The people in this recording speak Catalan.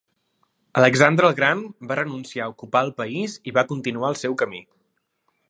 Alexandre el Gran va renunciar a ocupar el país i va continuar el seu camí.